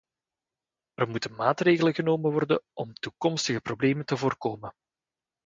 Er moeten maatregelen worden genomen om toekomstige problemen te voorkomen.